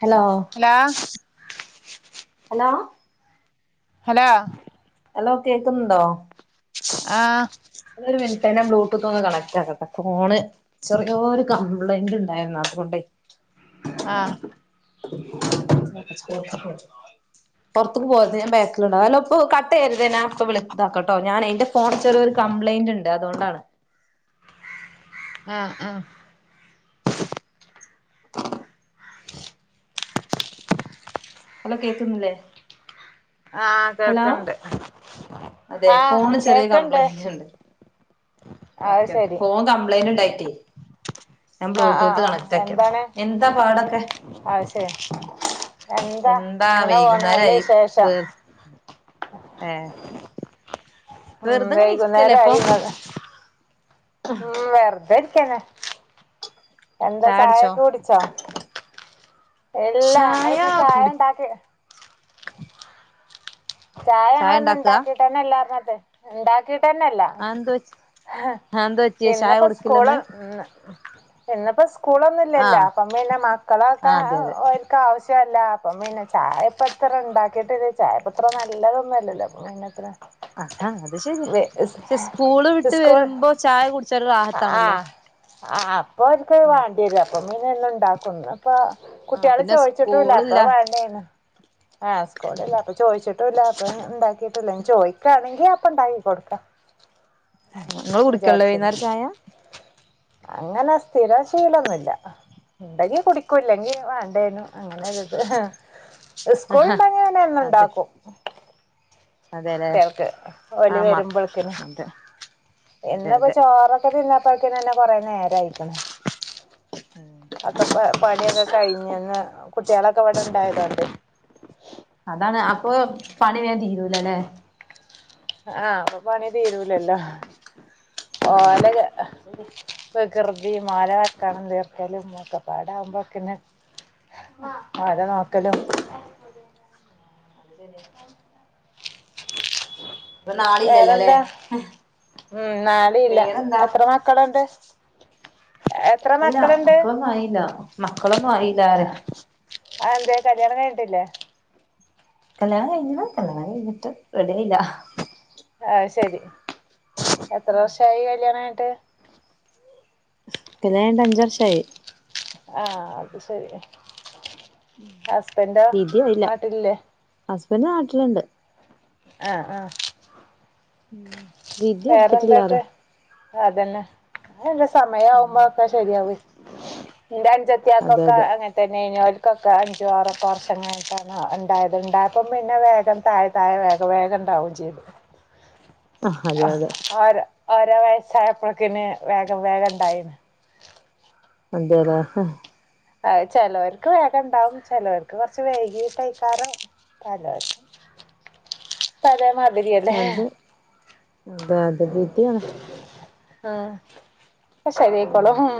Hello hello hello hello hello കേക്കുന്നുണ്ടോ ആഹ് ഒരു മിനിറ്റ് തന്നെ ബ്ലൂടൂത്ത് ഒന്ന് കണക്റ്റ് ആക്കട്ടെ ഫോണ് ചെറിയ ഒരു കംപ്ലൈന്റ് ഉണ്ടായിരുന്നു അതുകൊണ്ടേ. ആഹ് പുറത്തേക്ക് പോകരുത് ഞാൻ ബാക്കിലുണ്ടാവും അല്ല ഇപ്പൊ കട്ട് ചെയ്യരുത് ഞാൻ ഇപ്പൊ വിളിച്ചതാക്കട്ടോ ഞാൻ എന്റെ ഫോണിൽ ചെറിയൊരു കംപ്ലൈന്റ് ഉണ്ട് അതുകൊണ്ടാണ്. ആഹ് ആഹ് ഹലോ കേക്കുന്നില്ലേ ആഹ് ഹലോ കേൾക്കുണ്ട് അതെ ആഹ് ഫോണ് ചെറിയ കേൾക്കുണ്ട്. കംപ്ലൈന്റ് ഉണ്ട് ഓക്കെ ഓക്കെ ഫോൺ കപ്ലൈന്റ് ഉണ്ടായിരുന്നു. [unintelligible] ആഹ് ആഹ് ആഹ് എന്താണ് എന്താ പാടൊക്കെ അതു ശരി എന്താ എങ്ങനെ പോണു നല്ല വൈകുന്നേരായി വിശേഷം. വേ ഏ ഉം വെറുതെങ്ങനെ വൈകുന്നേര ഇരിക്കല്ലേ ആയി ഇപ്പൊ ഉം വെറുതെ. ക്കണം എന്താ ചായടിച്ചോ ചായയൊക്കെ കുടിച്ചോ. ഇല്ല ചായ ഞങ്ങളിപ്പോ ചായ കുടി ഉണ്ടാക്കി. ചായ ഞങ്ങളിയിന്നു ഉണ്ടാക്കിയിട്ട് തന്നെയില്ല. ട്ട് ഉണ്ടാക്കി തന്നില്ല. ആ എന്ത് പറ്റി ആ എന്ത് പറ്റിയ ചായ ഇന്നപ്പോ സ്കൂള് കൊടുക്കില്ലന്ന് ഇന്ന് ഇന്നിപ്പോ സ്കൂൾ ഒന്നുമില്ലല്ലോ ആഹ് അപ്പം പിന്നെ ആ മക്കളൊക്കെ അതെ അതെ ഓരെക്ക് ആവശ്യ ഇഷ്ടമല്ല അപ്പ പിന്നെ ചായപ്പത്ര ഉണ്ടാക്കിട്ടില്ല ചായപ്പത്ര നല്ലതൊന്നുമല്ലല്ലോ അപ്പൊ പിന്നത്ര. അതാ അത് ശരിയാ പക്ഷെ സ്കൂള് വിട്ടു. വിട്ടു സ്കൂൾ വരുമ്പോ ചായ കുടിച്ചാല് ഒരു റാഹത്ത് ആണല്ലോ. ആഹ് ആഹ് അപ്പോ ഓര്ക്ക് വാണ്ട്യരൂല അപ്പ പിന്നെല്ലാണ്ടാക്കുന്നു അപ്പ ആ കുട്ട്യേള് പിന്നെ ചോയിച്ചിട്ടുല്ല സ്കൂളില്ല അപ്പ വേണ്ടേന്ന് ആ സ്കൂളുല്ല അപ്പൊ ചോയ്ച്ചിട്ടുല്ല അപ്പൊ ഇണ്ടാക്കി ട്ടുല ചോയ്ക്കാണെങ്കി അപ്പൊ ഇണ്ടാക്കി കൊട്ക്ക നിങ്ങള് കുടിക്കല്ലെ വൈന്നര ചായ അങ്ങനെ സ്ഥിര ശീലൊന്നുല്ല ഇണ്ടെങ്കി കുടി ക്കൂ ഇല്ലെങ്കി മാണ്ടെന്നു അങ്ങനൊരിത് ആഹാ സ്കൂൾണ്ടങ്കി ഞാന് എന്നു അതെ ണ്ടാക്കും അതെല്ലേ കുട്ട്യൾക്ക് ഓല് ആമാ വെരുമ്പൾക്കിന് അതെ അതെ ഇന്ന്പ്പ അതെ ചോറൊക്കെ തിന്ന് പൾക്കിനന്നെ കൊറെ നേരായിക്ക്ണ് അക്കപ്പ പണിയൊക്കെ കഴിഞ്ഞന്ന് കുട്ട്യേളൊക്കെ വട ണ്ടായതോണ്ട് അതാണ് അപ്പൊ പണി വേ തീരുലല്ലേ ആ അപ്പൊ പണി തീരൂലല്ലോ ഓ ലെക്കെ അ് അത് ശരിയാ വികൃ ബീമാല വെക്കാനും തീർക്കലും ഒക്കെ പാടാവുമ്പോക്ക് ന് അതാണ് അത് ശരിയാ ഇപ്പൊ നാളില്ലല്ലോ ല്ലേ വേറെന്താ ഉം നാളെയില്ല വേറെന്താ എത്ര മക്കളുണ്ട് എത്ര അല്ല മക്കളുണ്ട് മക്കളൊന്നാ യില്ല മക്കളൊന്നായില്ലാ റിയ അതെന്തേ കല്യാണം കഴിഞ്ഞിട്ടില്ലേ കല്ല്യാണം കഴിഞ്ഞു ട്ടോ കഴിഞ്ഞിട്ട് റെഡിയയില്ല അഅ് ശെരി എത്ര വർഷായി കല്ല്യാണം ക ട്ട് കല്യാഞ്ഞ്ട്ട്ഞ്ചർഷായി ആ അത് ശെരിയാ ഹസ്ബന്റോ നാട്ടില്ലേ ബന്റ് നാട്ടിലുണ്ട് ആ ആ ഉം വിധി വേറെന്താട്ട് എടുത്തിട്ടില്ലാറയാ അതെന്നെ അഇന്റെ സമയമാവുമ്പാപ്പ ശരിയാവ്വെ അതെ ന്റൻജത്തിയാക്കൊക്കെ അതെ അങ്ങൻതെന്നെയ്ന് ഓൽ കൊക്കെ അഞ്ചു ആറൊക്കെ വർഷം കയിഞ്ഞിട്ടാണ് ണ്ടായത്. ണ്ടായപ്പം പിന്ന വേഗം തായ തായ വേഗവേഗം ണ്ടാവേം ചെയ്ത്. ആഹ് അതെ ആ അതെ ആര അവരേ വയസ്സായപ്പൊക്കെന്നെ വേഗം വേഗം ണ്ടായിന് അതെയതെ അയ് ചേലോർക് വേഗം ണ്ടാവും, ചേലോർക്ക് കൊർച് വൈകീട്ടേക്കാരം, [inaudible] പല മർ അതെ അതെയതെ വിധിയാണ് ആ ക്കെ ഉം ശരിയായിക്കോളും ഹും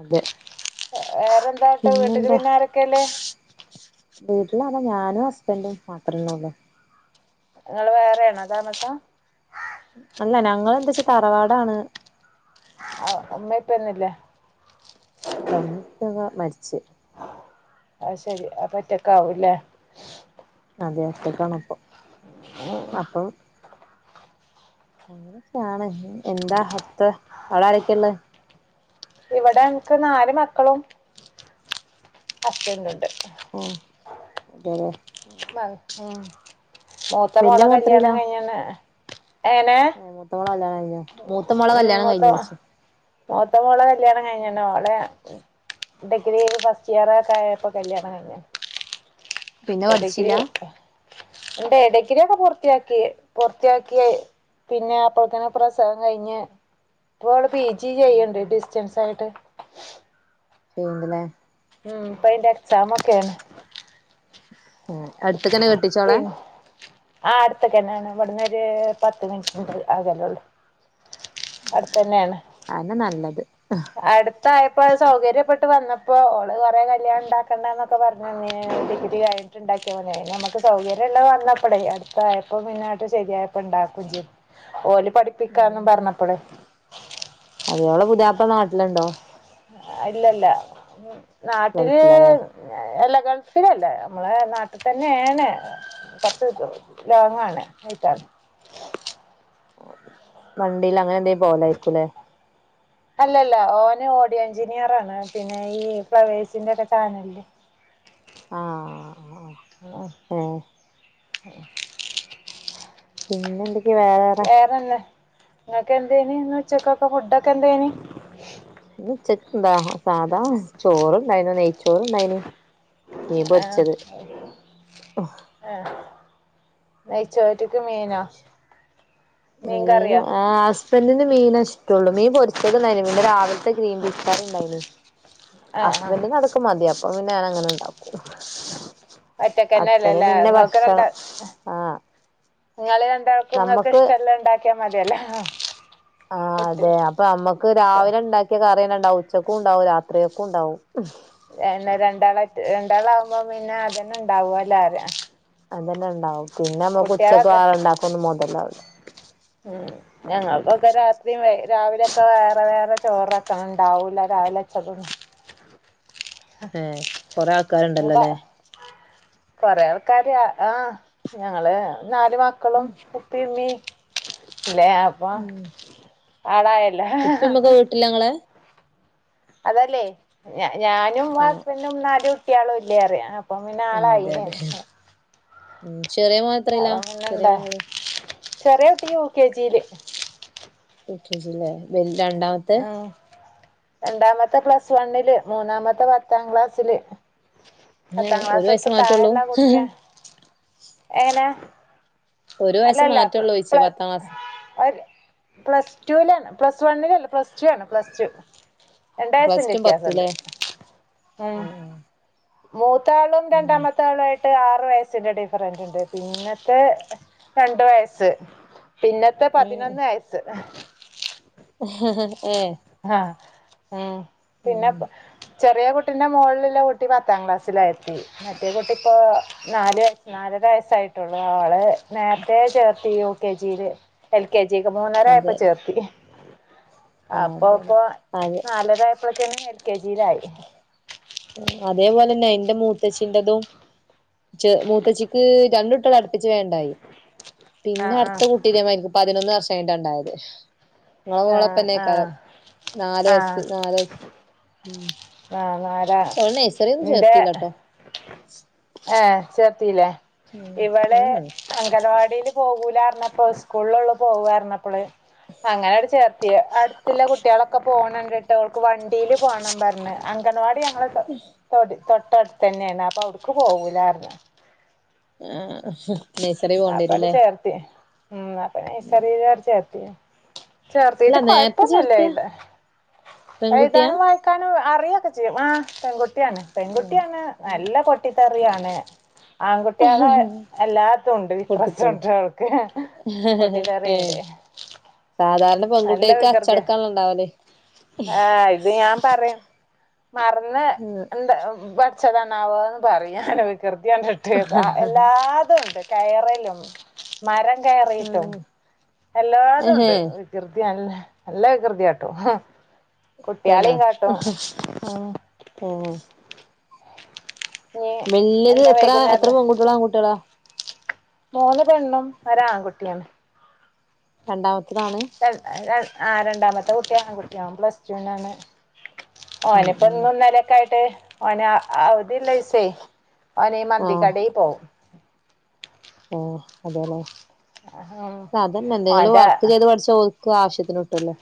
അതെ വേറെന്താട്ട് വീട്ടില് പിന്നാരൊക്കെല്ലെ വീട്ടിലാര ഞാനു ഹസ്ബന്റും മാതൃന്നന്നുള്ളൂ ങ്ങള് വേറെണോ താമസം അല്ല ഞങ്ങളെന്തച തറവാടാണ് അ ഉമ്മേം ഉപ്പേന്നൂല്ലേ ഇല്ല ഉമ്മിപ്പൊകെ മരിച്ച് അയ്ശെരി അപ്പൊറ്റക്കാവും ല്ലേ അതെ ഒറ്റക്കാണ്പ്പം അപ്പൊ അങ്ങനൊക്കെയാണ് ന്താ ഹത്തെ, അവിടാരൊക്ക്യള്ളെ ഇവിടെ അൻക് നാല് മക്കളും ഹസ്ബന്റൂണ്ട് ഉം അതേല്ലേ ഉം മൂത്ത മോളെ കല്യാണം കയിഞ്ഞീണ് ഏ മൂത്തോളെ കല്യാണം കയ് [unintelligible] മൂത്ത മോളെ ഉം കല്യാണം മൂത്ത കഴിഞ്ഞു വച്ച് മൂത്ത മോളെ കല്യാണം കഴിഞ്ഞിണ് ഓളെ ഡിഗ്രീ ഫസ്റ്റിയറൊക്കായപ്പം കല്യാണം കയിഞ്ഞിണ് പിന്നെ [unintelligible] പഠിച്ചില്ല ഇണ്ടെട ഡിഗ്രിയൊക്കെ പൂർത്തിയാക്കി പൂർത്തിയാക്കിയ പിന്നെ അപ്പോക്കിന് പ്രസവം കഴിഞ്ഞ് ഇപ്പോള് പി ജി ഉം ചെയ്ണ്ട് ഉം ഡിസ്റ്റൻസായിട്ട് ചെയ്യ്ണ്ട്ലെ ഉം പ്പയിൻ്റെ എക്സാമോക്കേണ് ഉം അട്ത്ത്ക്കെനെ കെട്ടിച്ചോളെ ത്ത്ക്കന്നാണ് ഇവടന്നൊര് പത്ത് മിനിറ്റ് ആകലൊള്ളൂ ആന്നെ നല്ലത് അടുത്തായപ്പോ സൗകര്യപ്പെ ട്ട് വന്നപ്പോ ഓള് കൊറേ കല്യാണം ഉണ്ടാക്കണ്ടന്നൊക്കെ പറഞ്ഞ ഡിഗ്രീ കഴിഞ്ഞിട്ട്ണ്ടാക്കി നമുക്ക് സൗകര്യം ഉള്ളത് വന്നപ്പോടേ അടുത്തായപ്പോ പിന്നട്ട് ശരിയപ്പോ ഉണ്ടാക്കും ഓല് പഠിപ്പിക്കാന്നും പറഞ്ഞപ്പളേ അതെയോള പുതിയപ്പള നാട്ടിലുണ്ടോ? ഇല്ല ഇല്ല നാട്ടില് ഗൾഫിലാല്ലേ എല്ല ഗൾഫിലല്ലേ നമ്മളെ നാട്ടിൽ തന്നെയാണ് പത്ത് ലോങ്ങാണ് ആയിട്ടാണ് വണ്ടിൽ അങ്ങനെ എന്ത പോലരിക്കൂലേ അല്ലല്ല ഓന് ഓഡിയോ എഞ്ചിനീയർ ആണ് പിന്നെ ഈ ഫ്ലവേഴ്സിന്റെ ഒക്കെ ചാനലിൽ ആഹ് ആ ഓ ഏഹ് പിന്നെ എന്തൊ ചേറന്നെ നിങ്ങക്ക് എന്തേനി ഇന്നുച്ചക്ക് ഫുഡൊക്കെ എന്തേനി? ഇന്ന് ചി എന്താ സാദാ ചോറണ്ടായിനോ നെയ്ച്ചോറുണ്ടായിനി ആഹ് ആഹ് നെയ്ച്ചവറ്റക്ക് മീനാ? മീൻ കറിയാ? ബന്റിന് മീന് ഇഷ്ടുള്ളൂ പൊരിച്ചതിണ്ടായിനി പിന്നെ രാവിലത്തെ ഗ്രീൻബീസ്‌ കറിണ്ടായിനി. ആഹ് ആഹ് ഹസ്ബന്റിന് അതൊക്കെ മതി അപ്പോ പിന്ന ഞാൻ അങ്ങനെ ഇണ്ടാക്കും ഒറ്റക്കന്നല്ലല്ലേ ഇങ്ങക്കരണ്ട ആഹ് നിങ്ങള് രണ്ടാക്കുംങ്ങൾക്ക് നമ്മക്ക് ഇഷ്ടള്ള ഉണ്ടാക്കിയാ മതിയല്ല ആ പട്ട് അതെ അപ്പൊ നമ്മക്ക് രാവിലെ ഉണ്ടാക്കിയ കറിയന്നെ ഉച്ചക്കും ഉണ്ടാവും രാത്രിയൊക്കെ ഉണ്ടാവും അ ന്നെ രണ്ടാളായിട്ട് രണ്ടാൾ ആകുമ്പോ പിന്നെ അതന്നെ ഉണ്ടാവുല്ലേ അതെ അതന്നെ ഉണ്ടാവും പിന്നെ നമ്മുക്ക് ഉച്ചക്ക് ആഹ് ഉണ്ടാക്കും [unintelligible] ഉം ഞങ്ങൾക്കൊക്കെ രാത്രിയും രാവിലെയൊക്കെ വേറെ വേറെ ചോറൊക്ക ഉണ്ടാവൂല്ല രാവിലെച്ചതും ഹേ ഒരാ ക്കാരുണ്ടല്ലോല്ലേ? കൊറെ ആൾക്കാര് ആ ഞങ്ങള് നാലുമക്കളും ഉപ്പയുംമ്മീ ലേ അപ്പം ആണാ ഉപ്പിമ്മക്കെ വീട്ടിലാങ്ങളെ അതല്ലേ ഞാ ഞാനും ആഹ് ഹസ്ബൻഡും [unintelligible] [unintelligible] ട്ട്യാളും ഇല്ലേ അറിയാ ഇപ്പം പിന്നെ ആഹ് ആളായി അതെ ലെ അതെ [unintelligible] ഉം ചെറിയ മോൻത്രേലാ ചെറിയ പെങ്ങള് ചെറിയ കുട്ടി യു കെ ജി ല് U K G level രണ്ടാമത്തത് ഉം രണ്ടാമത്തെ പ്ലസ് വണ്ണില് മൂന്നാമത്തെ പത്താം ക്ലാസ്സില് ഏ പത്താം ഒരു വയസേ ക്ലാസ്സത്തെ മാറ്റൊള്ളൂ താഴെയുള്ള കുട്ടിയാ എങ്ങനെ ഒരു വയസ്സ് അല്ലല്ല പ്ല മാറ്റള്ളൂ ചോയിച്ച പ്ല പത്താം ക്ലാസ് പ്ലസ് ടൂവിലല്ല പ്ലസ് വണ്ണിലല്ല പ്ലസ്ടു ആണ് പ്ലസ്ടു രണ്ടയസ്സ് പ്ലസ് ൻ്റെ ടു വ്യത്യാസണ്ട് പത്തുല്ലേ ഉം മൂ ത്താളും ഉം രണ്ടാമത്താളു ആയി ട്ട് ആറു വയസ്സിന്റെ ഡിഫറൻ്റുണ്ട് ഉണ്ട് പിന്നത്തെ രണ്ട് വയസ്സ് പിന്നത്തെ പതിനൊന്ന് വയസ്സ് ഏ ആഹ് ആ ഉം പിന്നെപ്പ ചെറിയ കുട്ടിൻ്റെ മോള്‌ലില്ല കുട്ടി പത്താം ക്ലാസ്സിലാ എത്തി മറ്റേ കുട്ടി ഇപ്പൊ നാല് വയസ് നാലര വയസ്സായിട്ടുള്ളു അവള് നേരത്തെ ചേർത്തീ യു കെ ജി ല് എൽ ക്കേ ജി ക് മൂന്നരയായപ്പോ അതെ ച്ചേർത്തി ആ ആപ് പ്പോ അതെ അതെ പ്പോ അതെ നാലരായ ഇപ്പതന്ന്യൽ കെ ജിലായ് അതേപോലന്നെ ഇന്റെ മൂത്തച്ചിന്റെതും. ചെ മൂത്തച്ചിക്ക് രണ്ടുട്ടളാ പിന്നെ ആഹ് ആഹ് അടുത്ത കുട്ടീക്ക് പതിനൊന്ന് വർഷത്തി ഉണ്ടായത് നിളെ ആഹ് ആഹ് മോളപ്പന്നെക്കാലം ആഹ് നാലയസ് നാലയസ് ഓരേ ന്റെ ചേർത്തില്ലട്ടോ എ ചെപ്പ് ചേർത്തില്ല ഉം ഇവള് ഉം അങ്കനവാടില് പോകൂലാർന്ന ഇപ്പോ സ്കൂളോള്ളപ്പ പോവാരുന്നപ്പള്. അങ്ങനെവര് ചേർത്തിയേ. അടുത്തൊള്ള കുട്ടികളൊക്കെ പോണെ ട്ട [unintelligible] വണ്ടീല് പോണം പറന്ന് അങ്കനവാടി ഞങ്ങെള് തൊട്ടടുത്ത് തന്നെയാണ് അതെവടുക്ക് പോകൂലാരന്ന് [unintelligible] അവിടെ പോണ്ടിവരുല്ലേ ചേർത്തി. ഉം അപ്പെ നേസറി ചേർ [unintelligible] അല്ല ചേർത്തീട്ട് നേരത്തെ കൊഴപ്പൊന്നല്ലേ ചേർത്തിയ ല്ലേ. പെൺകുട്ടിയാ എഴുതാനും വായക്കാനും അറിയൊക്കെ ആ പെകു കുട്ടിയാണ്. ഉം പെൺകുട്ടിയാണ് നല്ല പട്ടി. റിയാണ്. ആൺകുട്ടികളെയെല്ലാ പൊട്ടിത്തെറി വിക്രസൊണ്ട് നക്ക് പട്ടി ഏ ക്കറിയൊണ്ട്. [unintelligible] സാധാരണ നല്ല പെൺകുട്ടികൾക്ക് വികൃതിയാ. അച്ചടക്കാണല്ലോ ഉണ്ടാവല് ആ ഇത് ഞാൻ പറ മറന്ന് എന്ത് വേ അച്ചതണാവ [unintelligible] എന്ന് പറയാന വികൃതി എല്ലാതും ഉണ്ട് കയറലും മരം കയറിട്ടും എല്ലാതും ഉണ്ട് ഏഹേ വികൃതി നല്ല കൃതിയാട്ടോ തന്നെ ഉം ആഹ ഇനി വല്യത് എന്താ എത്ര എത്ര വൈകുന്നേരം പൺകുട്ടികളാൺകുട്ടികളാ മൂന്ന് പെണ്ണും ഒരാ ആൺകുട്ടിയാണ് രണ്ടാം മത് [unintelligible] ആ് രണ്ടാമത്തെ കുട്ടിയാണ് കുട്ടിയവും പ്ലസ്ടുനാണ് ഓ ഉം അനിപ്പൊ ഉം ഇന്നും ന്നലെക്കായിട്ട് വൊന ആവതില്ലയ്സേ അവനേ മന്തിക്കടേ പോവും ആ അതെനെ സാധ ഇന്ന് എന്തെലും ഓന്റെ വർക്ക് ചെയ്ത് പഠിച്ചോ ക്ക് ആവശ്യത്തിന് വീട്ടല്ലേ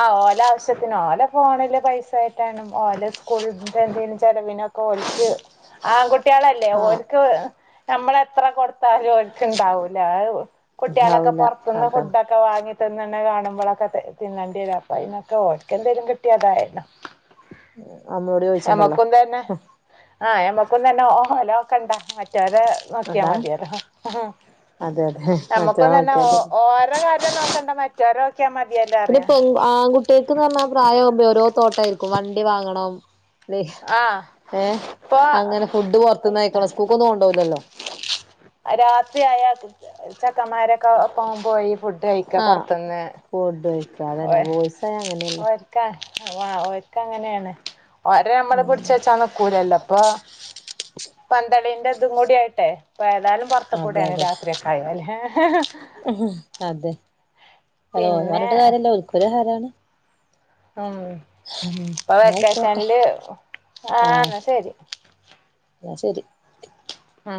ആ ഓലാവശ്യത്തിനോ ഓല ഫോണില് പൈസ കയറ്റാനും ഓല സ്കൂളുത്തെ എന്തേലും ചെിലവിനോക് ഓൽക്ക് ആൺകുട് ട്ട്യേളല്ലേ ആഹ് ഓൽക്ക് നമ്മള ത്ര കൊട് ത്താലും ഓൽകത് താങ്ങൂല അഹ് കുട്ട്യോളൊക്കെ ഉണ്ടാവൂല പുറത്തുന്ന് അതാണ് ഫുഡൊക്കെ വാങ്ങി ഇത് തന്നെ കാണുമ്പോഴൊക്കെ തിന്നണ്ടിയെരും അപ്പൊ അയിന്നൊക്കെ ഓൽക്കെന്തേലും കിട്ടിയതായല്ലോ നമ്മളോട് ചോദിച്ചണ്ടല്ലോ എമ്മക്കുന്തന്നെ ആ എമ്മ തന്നെ ലോ ഓഹൊ ലോക്കണ്ടറ്റ റ്റൊരെ നോക്കിയാ അതാണ് മതിയലോ അതെ അതെ മറ്റേ നമ്മുക്കും ഓക്കെ തന്നെഓ അതെ ഓരോ കാര്യം നോക്കണ്ടമറ്റ ചെറോക്യാ മതി ത്പ്പൊങ്ക് ആ കുട്ട്യേക്ക്ന്ന് പറഞ്ഞാ പ്രായാവുമ്പോരോ തോട്ടായിരിക്കും വണ്ടി വാങ്ങണം ലിഹ ആഹ് ഏ ഇപ്പൊ അങ്ങനെ ഫുഡ് പൊറത്തുന്നയ്ക്ണു സ്കൂക്കൊന്നും കൊണ്ടോലല്ലോ [unintelligible] ക്കമ്മാരെക്കൊ ഒപ്പം പോയി ഫുഡ് കയിക്ക ആഹ് പൊറത്തുന്ന് ഫുഡ് കഴിക്ക ഓ അതന്നെ ബോയ്സായ അങ്ങനെയല്ലേ ഓയിക്ക ആ ഓൽക്കങ്ങനെയാണ് ഓൽ വരെ മ്മള് ഉം പിടിച്ച് വെച്ചാന്നിക്കൂലല്ലോപ്പൊ പന്തളിന്റെ ഇതും കൂടിയായിട്ടെ ഇപ്പേതായാലും അതെ പൊറത്തുക്കൂടിയാണ് അതെ രാത്രിയൊക്കെ ആയാല് ഹ് ഹ് [inaudible] അതെ അതോ അത് പിന്നെ പറഞ്ഞിട്ട് കാര്യല്ല ഓൽക്കൊരു ഹരാണ് ഉം ഉം അപ്പൊ ന്നാ ആയിക്കോട്ടെ വെക്കേഷനില് ആ ന്നാശരി എന്നാ ശരി ആ